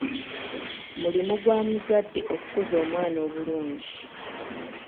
Mulimu gwa muzadde okukuza omwana obulungi